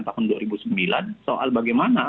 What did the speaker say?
tahun dua ribu sembilan soal bagaimana